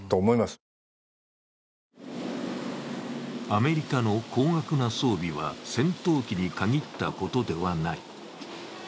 アメリカの高額な装備は戦闘機に限ったことではない。